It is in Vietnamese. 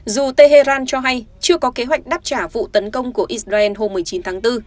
dù tehran cho hay chưa có kế hoạch đáp trả vụ tấn công của israel hôm một mươi chín tháng bốn